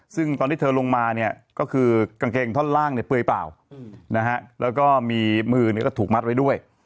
ซึ่งตอนที่เธอลงมากางเกงท่อนล่างเปลือยเปล่าและมือถูกมัดไว้ด้วย